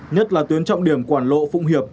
nhất là tuyến trọng điểm quản lộ phụng hiệp